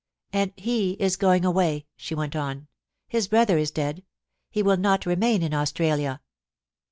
'And he is going away,' she went on; 'his brother is dead. Hewill not remain in Austnilia.